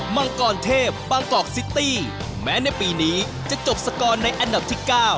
มังกรเทพบางกอกซิตี้แม้ในปีนี้จะจบสกอร์ในอันดับที่๙